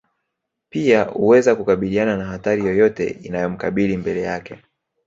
pia uweza kukabiliana na hatari yoyote inayomkabili mbele yake